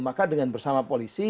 maka dengan bersama polisi